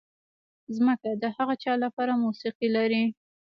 ځمکه د هغه چا لپاره موسیقي لري.